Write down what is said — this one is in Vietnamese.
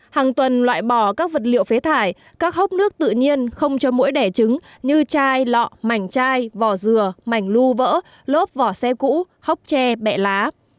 hàng tuần loại bỏ các vật liệu phế thải các hốc nước tự nhiên không cho mũi đẻ trứng như chai lọ mảnh chai vỏ dừa mảnh lưu vỡ lốp vỏ xe cũ hốc tre bẹ lá